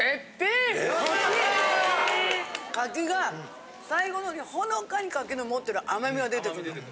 柿が最後の方にほのかに柿の持ってる甘みが出てくるの。